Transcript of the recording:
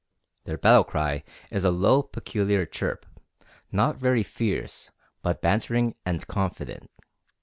Their battle cry is a low, peculiar chirp, not very fierce, but bantering and confident.